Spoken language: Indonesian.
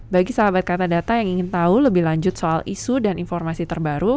bagi sahabat katadata yang ingin tahu lebih lanjut soal isu dan informasi terbaru